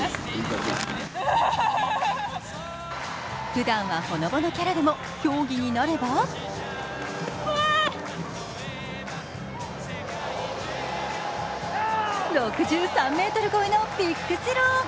普段はほのぼのキャラでも競技になれば６３ｍ超えのビッグスロー。